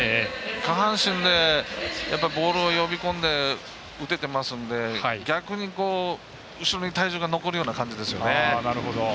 下半身でやっぱりボールを呼び込んで打てていますので逆に後ろに体重が残るような感じですよね。